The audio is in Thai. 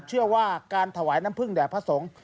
เชื่อว่าการถวายน้ำพึ่งแด่พระสงฆ์